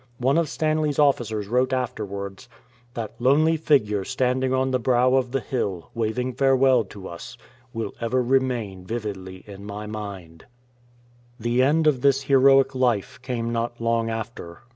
One of Stanley's officers wrote afterwards, " That lonely figure standing on the brow of the hill, waving farewell to us, will ever remain vividly in my mind." The end of this heroic life came not long after.